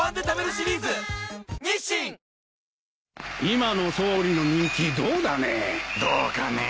今の総理の人気どうだね？